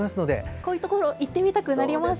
こういう所行ってみたくなりますね。